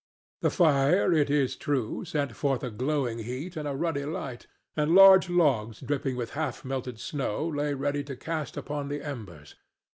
The fire, it is true, sent forth a glowing heat and a ruddy light, and large logs dripping with half melted snow lay ready to cast upon the embers.